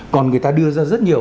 còn người ta đưa ra rất nhiều